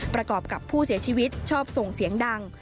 ประกอบกับผู้เสียชีวิตชอบส่งเสียงดัง